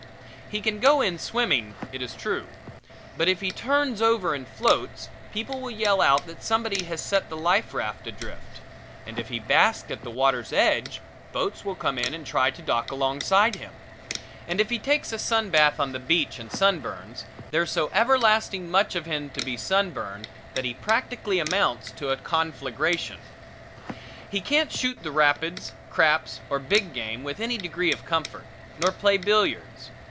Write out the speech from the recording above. He can go in swimming, it is true; but if he turns over and floats, people yell out that somebody has set the life raft adrift; and if he basks at the water's edge, boats will come in and try to dock alongside him; and if he takes a sun bath on the beach and sunburns, there's so everlasting much of him to be sunburned that he practically amounts to a conflagration. He can't shoot rapids, craps or big game with any degree of comfort; nor play billiards.